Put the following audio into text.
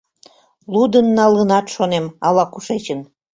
Лудын налынат, шонем, ала-кушечын.